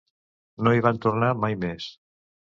No hi van tornar mai més.